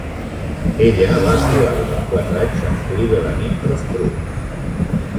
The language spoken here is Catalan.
Ella va actuar durant quatre anys amb Cleveland Improv Troupe.